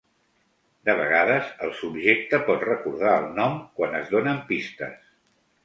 De vegades, el subjecte pot recordar el nom quan es donen pistes.